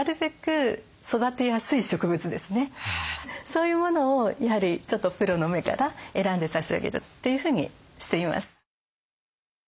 そういうものをやはりプロの目から選んで差し上げるっていうふうにしています。